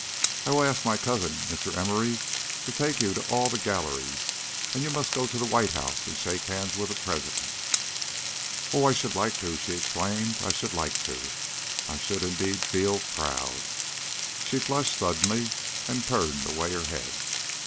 "I will ask my cousin, Mr. Emory, to take you to all the galleries, and you must go to the White House and shake hands with the President." "Oh, I should like to!" she exclaimed. "I should like to! I should indeed feel proud." She flushed suddenly and turned away her head.